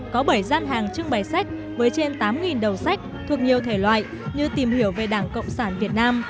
có bảy gian hàng trưng bày sách với trên tám đầu sách thuộc nhiều thể loại như tìm hiểu về đảng cộng sản việt nam